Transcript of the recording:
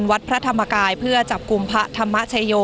วัดพระธรรมกายเพื่อจับกลุ่มพระธรรมชโย